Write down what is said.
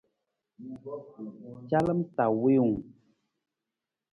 Calam ta wiiwung.